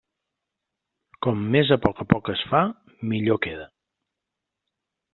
Com més a poc a poc es fa, millor queda.